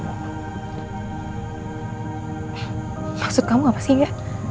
maksud kamu apa sih